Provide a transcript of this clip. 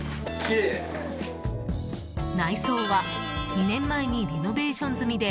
内装は２年前にリノベーション済みで